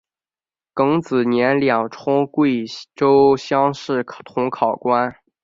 庚子年两充贵州乡试同考官。